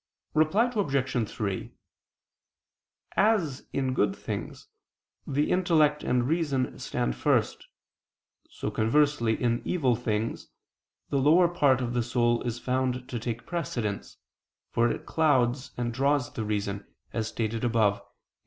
Reply Obj. 3: As, in good things, the intellect and reason stand first, so conversely in evil things, the lower part of the soul is found to take precedence, for it clouds and draws the reason, as stated above (Q.